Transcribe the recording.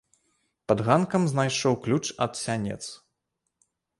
Пад ганкам знайшоў ключ ад сянец.